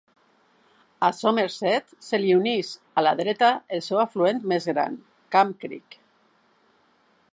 A Somerset, se li uneix a la dreta el seu afluent més gran, Camp Creek.